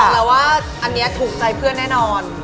แล้วว่าอันนี้ถูกใจเพื่อนแน่นอน